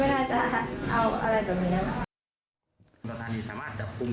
ไม่น่าจะเอาอะไรแบบนี้นะครับ